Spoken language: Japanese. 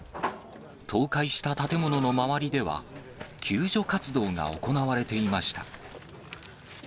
倒壊した建物の周りでは、救助活動が行われていました。